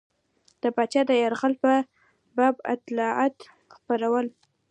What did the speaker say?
د پاچا د یرغل په باب اطلاعات خپرول.